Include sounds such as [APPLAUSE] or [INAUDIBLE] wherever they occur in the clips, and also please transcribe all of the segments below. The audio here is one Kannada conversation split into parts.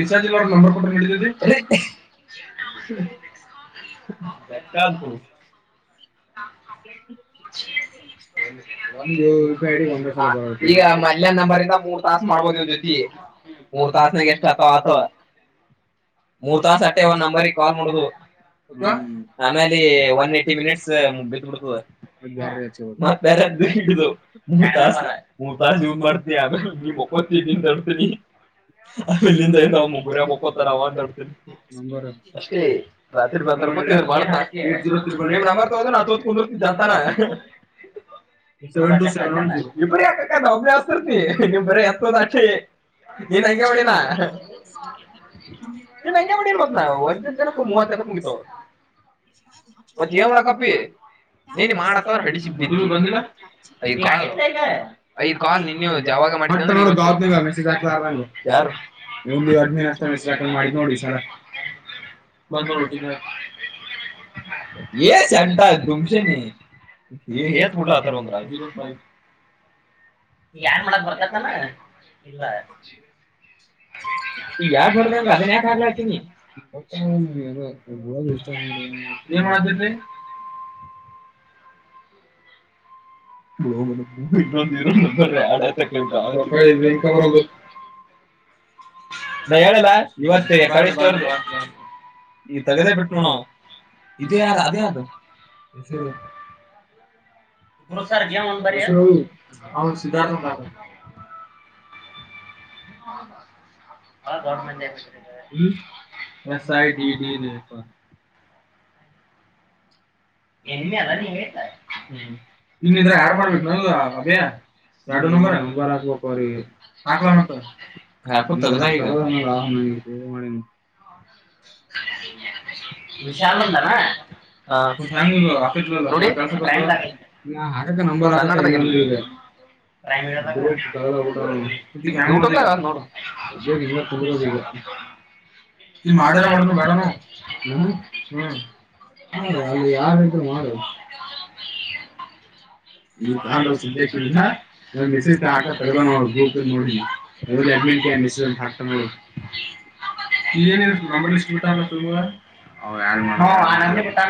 ರಿಚಾರ್ಜ್ಲ್ ನಂಬರ್ ಕೊಟ್ಟ ನಡತದೆ [UNINTELLIGIBLE] [INAUDIBLE] [UNINTELLIGIBLE] ಮಲ್ಯ ನಂಬರಿಂದ ಮೂರ್ ತಾಸ ಮಾಡ [UNINTELLIGIBLE] ಮೂರ್ ತಾಸ ಅಟ್ಟೆ ಒಂದ್ ನಂಬರ್ ಕಾಲ್ ಮಾಡುದು ಆಮೇಲೆ ಒನ್ ಏಟಿ ಮಿನಿಟ್ಸ್ ಬಿಟ್ಟಬಿಡ್ತದ [UNINTELLIGIBLE] [UNINTELLIGIBLE] [UNINTELLIGIBLE] [UNINTELLIGIBLE] [UNINTELLIGIBLE] ನೀನ್ ಹಂಗೆ ಮಾಡಿನ [UNINTELLIGIBLE] [UNINTELLIGIBLE] [UNINTELLIGIBLE] ಬಂದಿಲ್ಲ ಐದ್ ಕಾಲ್ ಐದ್ ಕಾಲ್ ನೆನ್ನೆ ಅವು ಅವಾಗ ಮಾಡ್ಂದ್ರೆ [UNINTELLIGIBLE] ಯಾರು [UNINTELLIGIBLE] ಮಾಡಿದ್ ನೋಡು ಈ ಸಲ [UNINTELLIGIBLE] [UNINTELLIGIBLE] [UNINTELLIGIBLE] ಏನ್ ಮಾಡಕ್ ಬರ್ತತ್ತ ಏನು ಇಲ್ಲ [UNINTELLIGIBLE] ಏನ್ ಮಾಡತಿರ್ಲಿ [UNINTELLIGIBLE] ಬರಲ್ದು ನನ್ ಹೇಳಿಲ್ಲ ಇವತ್ತೆ [UNINTELLIGIBLE] ಈ ತಗದೇ ಬಿಟ್ನೋಡವಾ [INAUDIBLE] ಇದೇ ಯಾರ ಅದ ಯಾರ್ದು [UNINTELLIGIBLE] ಹೆಸರು [UNINTELLIGIBLE] ಸಿದ್ದಾರ್ಥ ಹಾಕು [INAUDIBLE] [UNINTELLIGIBLE] ಇನ್ನ್ರ ಆಡ್ ಮಾಡ್ಬೇಕು ನ ಅಬಯ [INAUDIBLE] ಎರಡು ನಂಬರ್ ನಂಬರ್ ಹಾಕ್ಬೇಕ ಅವ್ರಿ ಹಾಕ್ಲಾ ಮತ್ತ [UNINTELLIGIBLE] ಹಾ [UNINTELLIGIBLE] ಇನ್ಶಾಲ್ಲ ನ ಹ [UNINTELLIGIBLE] ಕ್ಕ ಅ ನ [UNINTELLIGIBLE] ಂದ [UNINTELLIGIBLE] ಈ ಮಾಡ್ಯಾರ ಮಾಡ ಬೇಡಾನ [UNINTELLIGIBLE] ಅಲ್ಲಿ ಯಾರುಕ್ಕ ಆರು [UNINTELLIGIBLE] ಮಿಸ ಹಾಕ ತಗದ ಬೂ ನೋಡ [UNINTELLIGIBLE] ಬ್ಯಾಡ್್ಮಿಂಟನ್ಿಸಿಕ್ತ [UNINTELLIGIBLE] ನೀ ನಂಬರ್ ಲಿಸ್ಟ್ಟ ಸ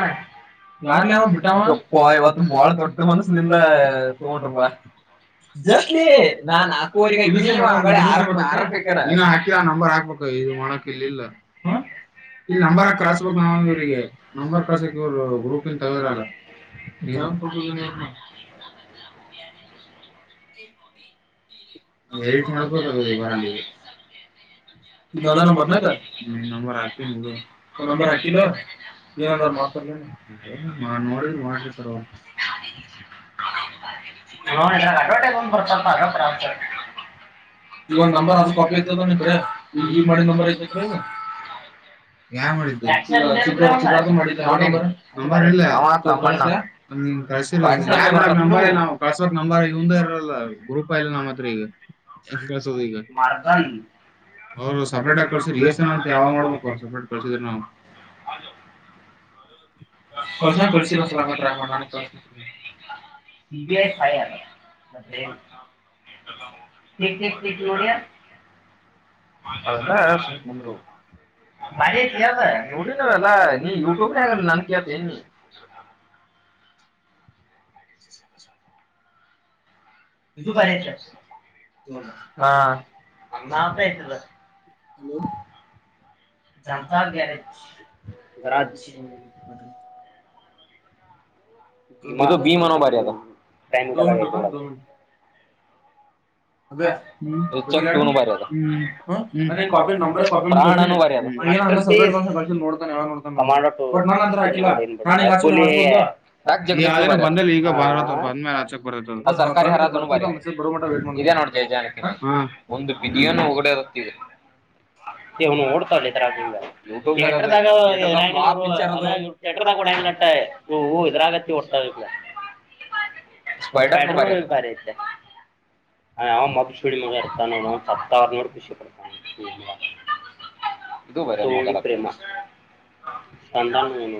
[UNINTELLIGIBLE] ಬಾರ್ಲಿ ಬಿಟ್ಟಪ್ಪ ಇವತ್ತು ಬಾಳ ದೊಡ್ಡ ಮನಸಲಿಂದ ತೊಗಂಟಬ [UNINTELLIGIBLE] ಜಸ್ಟ್ಲಿ ನಾನ್ ಹಾಕುವಗಡೆ ಆ ಹಾಕ ನಂಬರ್ ಹಾ [UNINTELLIGIBLE] ಇ ಮಾಡಕ್ ಇ ಇಲ್ಲಿ ನಂಬರ್ ಕಳ್ಸ್ಬೇಕು ನಾವವು ನೀರಿಗೆ ನಂಬರ್ ಕಸ [INAUDIBLE] ಇ ಗ್ರೂಪನ್ ತಗದ್ರಲ್ಲ ಹಾಗ [INAUDIBLE] ತಣೆ ಬತ ಮರ ಲಗ [UNINTELLIGIBLE] ನಾನ ನಂಬರ್ ನ ಸ ನ ಹಾಕ ನಂಬರ್ ಹಾಕಿ ನ [INAUDIBLE] ಏ ನಾ ನೋಡಿದ ಮಾಡರ್ತ [UNINTELLIGIBLE] ಅಡ್ವರ್ಟೈಸ್ಟ್ ಬ ಸ್ವಪ [UNINTELLIGIBLE] ಈಗ ನಂಬರ್ ಅದು ಕಾಪಿ ಐದ ನಿ ಕಡೆ ಮಾಡಿದ ನಂಬರ್ ಐ ನಿ ಕಡ ಈಗ ಯಾ ಮಾಡಿದ್ದು ಸಾರ್ಥ ಮಾಡಿದ್ದು ಲ್ಲರ್ಲ್ಲ ಕ [UNINTELLIGIBLE] ನಂಬಾರ ಇವಂದ ಇರಲ್ಲ ಗ್ರೂಪ್ ಇಲ್ಲ ನಮ್ಮ್ ಹತ್ರ ಈಗ ಕಸೋದು ಈಗ [UNINTELLIGIBLE] ಅವ್ರು ಸಪ್ರೇಟ್ ಆಗಿ ಕಳ್ಸ್ರ ಎಸ್ನ್ ಅಂತ ಯಾವ ಮಾಡ್ಬೇಕು ಅವರು ಸಪ್ರೇಟ್ ಕಳ್ಸಿದ್ರ ನಾವವು ಕಳಸನ್ ಕಳಿಸಿರ ಸುಲಟ್ರಾಯ ಮಾಡ ನಾನ ಕಳ [UNINTELLIGIBLE] ಅ [UNINTELLIGIBLE] ಡಿಯ [UNINTELLIGIBLE] ಅ ನೋಡ ನಲ್ಲ [UNINTELLIGIBLE] ನೀ ಯುಟ್ಯೂಬ ನಗ ನಾನಕತ ನೀ [INAUDIBLE] ಹ [UNINTELLIGIBLE] ಬ ಹತ [UNINTELLIGIBLE] ಹಲೋ ಜಂತಾರ [UNINTELLIGIBLE] ದ ಮಟಕ ದ ಮಟ [UNINTELLIGIBLE] ಅದ ಬ [UNINTELLIGIBLE] ಹಂಗ ಸಕ ನೋತಾನೆ ಯಾವ ನೋತ ನೋ ಬಟ್ ನನ್ ಅ ಹಾಕಿಲ್ಲ ನನ್ ಹಂಗ ಹಾ ಹಾಬದಲ [UNINTELLIGIBLE] [INAUDIBLE] ಯಾವದೇ ಬಂದಲ್ ಈಗ ಬಂದ ಬಂದ ಮೇಲೆ ಆಚಕ್ ಬರದ ಬ ಬರ್ತದ ಮೆಸೇಜ್ ಬರೋ ಮಟ್ಟ ವೈಟ್ ಮಾಡತ [INAUDIBLE] ಹಾ ಒಂದು [INAUDIBLE] ಇವನು ಓಡ್ತಾವಲ್ಲರರ್ಾಗ [UNINTELLIGIBLE] ಹ [INAUDIBLE] ತಿಡ್ತ ಸ್ಪ ಭಾರಿ ಐತೆ [UNINTELLIGIBLE] ಹ್ ಅವ ಮದ ಶೂಳಿ ಮಗ ಇತಾನ ಅವ ಸತ್ತಾರನೂರು ುಷಿಪಡ್ತಾನ [UNINTELLIGIBLE] ಇದು ಬರ [UNINTELLIGIBLE] ಸಂಂತಾನ ಮನು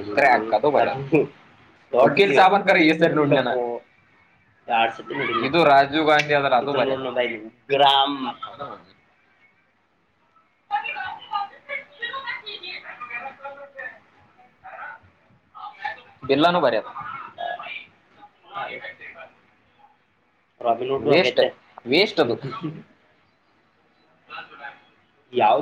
ಅ ಬ [UNINTELLIGIBLE] ವಕಲ್ಸಬ ಕ ಎ ಸರ್ ನಟ [UNINTELLIGIBLE] ಇದು ರಾಜೀವ್ ಗಾಂಧಿ ಆದದ್ರ [INAUDIBLE] ಬ ಗ್ರಾಮ [INAUDIBLE] ಹ [INAUDIBLE] ಇ [UNINTELLIGIBLE] ವ ವಷ್ಟ ಯಾವ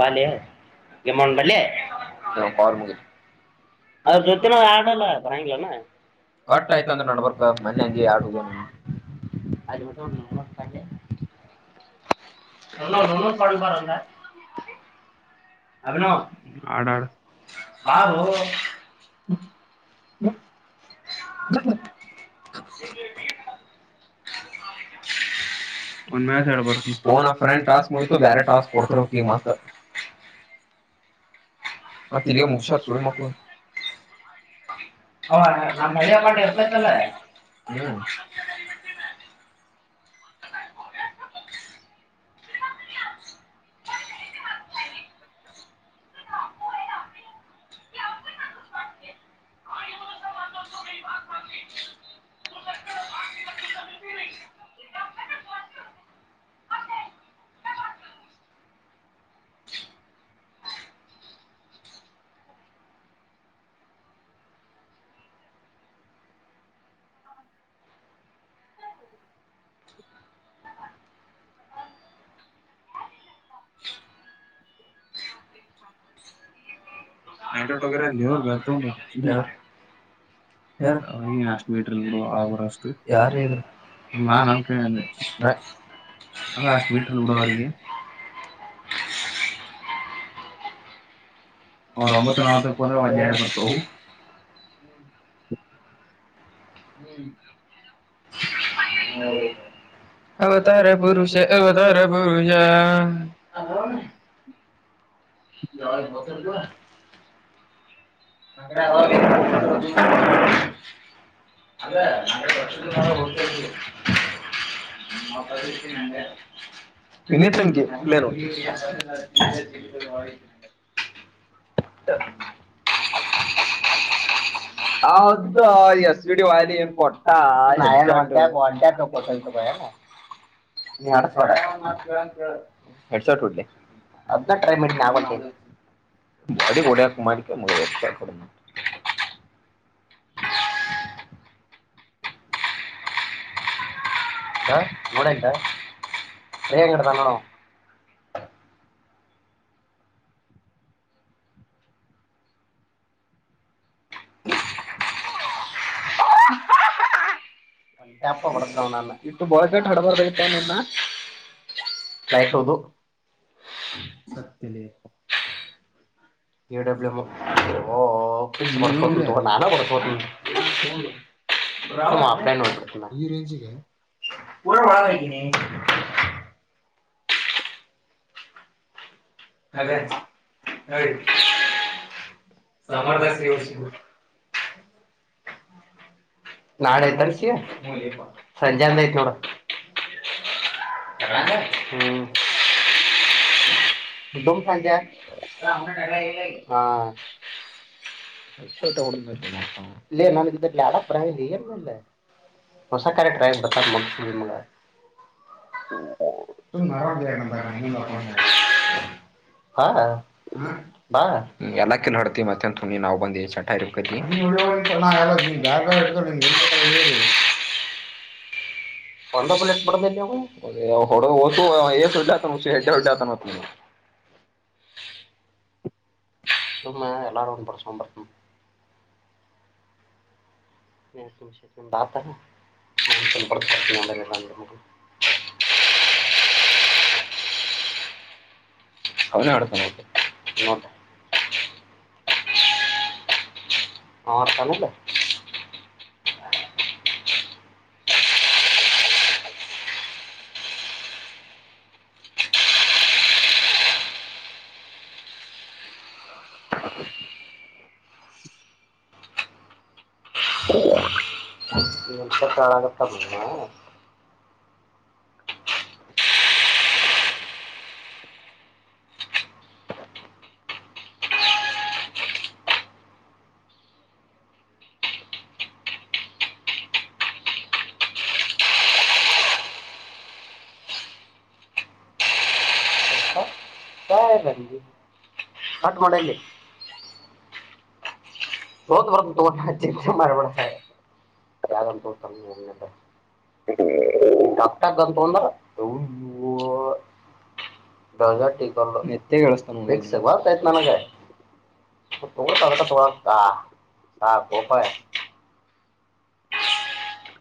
ಬಾನೆ ಎಮನ್ ಬ ಕ ಅದು ಜೊತ್ತಿನ ಆಡಲ್ಲ ಬಿಲ್ಲಾನ ಕಟ್ಟ ಆಯ್ತಂದ್ರ ನಡ್ಬರ್ಕ ಮನೆೆ ಅಂಜಿ ಆಡುಗ ಅ ಜಟ ನಡಟ್ಟ ಇನ್ನ ನನ್ನ ಪಡ ಬರಲ್ಲ ಆ ಆ ಹ್ಮ ಹ ಹ ಒಂದ್ ಮ್ಯಾಬ ಆ ಫ್ರೆಂಡ್ ಟಾಸ್ಕ್ ಮುತು ಬೇರೆ ಟಾಸ್ಕ್ ಕೊಡ್ತ ಮತ್ ಹ ಮತ್ತ ತಿಲ್ಲಿಗ ಮುಗಸಾರತಳಿ ಮಕ್ಕಳ ಅವ ನಮ್ ಹಳಿ ಹಕೊಂಡ ಇರ್ತೈತಲ್ಲ ಹ್ಮ ಹ ಹ ಹ ಹ್ಮ ಹ ನಟಟ್ ವಗರ ಲಔ ಗತ ಯಾರಏನ್ ಅಷ್ಟು ವೀಟ್ರಲ್ ಬಿ ಆಗರ ಅಷ್ಟು ಯಾರ ಇದ್ರರು ನಾ ನನ್ ಕ ಅಲ್ಲ ಅಷ್ಟು ಮೀಟ್ರಲ್ಲಿ ಬಿಡ ಅವರಿಗೆ ಹ ಹ ಒಂಬತ್ತು ನಾಲ್ ತ ಪದೆ ಆಡ್ ಬರ್ತ ಹ್ಮ್ ಹ್ಮ ಅವ ತಾರ ಪುರುಷ ಅವ ತಾರ ಪುರುಷ ಯಿಗೆ ಬತ್ತಬೇಕ ನ ಅಲ್ಲ ಅ ಒ ನಪಟ ನಿನ್ನಿ ಸಂಖ್ಯೇರ ಕರ ಕರ ಹೌದು ಎಸ್ವಿಡಿ ವಾಯ ಏನ್ ಕೊಟ್ಟ ಎಡ್ಸೋಟ್ಟ ಉಡ್ಲಿ ಅದನ್ನ ಟ್ರೈ ಮಾಡಿ ನಗಟ್ಟ ಅಡಿ ಕೊಡಿಯ ಕುುಮಾರಕ್ಕೆತ ಕೊಡ ಸೌಂಡ್ ಇಲ್ಲ ಗನಂಗ ಂಗಟ ತನ್ನೋಡ ಹೆಜ್ಜೆ ಸೌಂಡ್ ಟಪ ಮಾಡತ ನಾನ ಇಟ್ಟತ್ತು ಬಳಕಟ್ ಹಡಬಾರಬೇಕತೆ ನಿನ್ನ ಕಾಯಿಸೌದು ಎಡಬ್ ಓ ಬರ್ಸ್ತ ತ ನಾನ ಬಡ್ಸೋತ ಆ ಅಪಡ ಒ ೂರ ಮಾಡಗಕ್ಕನಿ ಅ ಆಯ್ತು ತಾಮರ ದಾಸಿ ಡ್ಿಸ ನಾಳ ಐ್ತ ಅನ್ಸ ಸಂಜೆ ಅಂದ ಐತ್ ನೋಡ ಹ್ಮ್ ಡುಂಪ ಗ್ಯಾಸ್ ಒಂತರ ಇಲ್ಲಿ, ಹಾ. [UNINTELLIGIBLE] ಲೆ ನಂಗ್ ಇದ್ರಲ್ಲಿ ಅಡಕ್ ಬರಂಗಿಲ್ಲ [UNINTELLIGIBLE] ಹೊಸ ಕರೆಂಟ್ [UNINTELLIGIBLE] ತಗೋ ಸುಮ್ಮ್ ಮಡೋಣ್ ಬೆ ನಮ್ [UNINTELLIGIBLE] ಹ ಬಾ ಎಲ್ಲ ಕಿಲ್ ನೋಡ್ತಿ ಮತ್ ಏನ್ ತುನಿ ನಾವ್ ಬಂದೆವಿ. ಚಟ ಇರುಕದಿ [UNINTELLIGIBLE] [INAUDIBLE] ಒಂದ ಪುಲೆಟ್ ಪಡ್ದೆಲ್ ಅವು, ಏ ಹೊಡ್ದ್ ಹೊತ್ತು ಏ ಸುಜಾತ [UNINTELLIGIBLE] ಹೊಡ್ಯತನಂತ. [INAUDIBLE] ಸುಮ್ಮಾ ಎಲ್ಲಾರು ಒಂದ್ ಬರುಸ್ಕೋಂಬಾ. ಏ ಸುಮ್ ಶೆ ನಿಂದ್ ಆತೆನ. [UNINTELLIGIBLE] ಹ್ಮ್ [UNINTELLIGIBLE] ಅವ್ನೆ ಆಡ್ತನ್ ಓಕೆ ನೋತ. ಆಡ್ ತನಿಲ್ಲ. [UNINTELLIGIBLE] ಚಳಾಗತ್ತನ್ ಇವ. ಹ [UNINTELLIGIBLE] ಸೋತ್ ಬರ್ತಿನ್ ತೋಗ ಚಿಂತೆ ಮಾಡ್ಬೇಡ [UNINTELLIGIBLE] [UNINTELLIGIBLE] ಹೊಟ್ಯಾಗ್ ಒಂದ್ ಹುಣ್ಣು [UNINTELLIGIBLE] ದಜಟಿಗಲ್ಲು ಮೆತೆಗ್ ಗಿಳ್ಸ್ತಾನ್ ಬೇಕ್ಸ್ ಯಾವ್ ಪ್ಯಾಕ್ ನನ್ಗ. ತೊಗೊಳ್ ತಾಳೆ ತೊಗ್ಳೋದಿಲ್ಲ ಅ ತೊಗ್ಳ್ ತಾಳೆ. [UNINTELLIGIBLE]